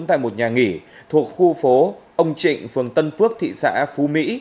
tại một nhà nghỉ thuộc khu phố ông trịnh phường tân phước thị xã phú mỹ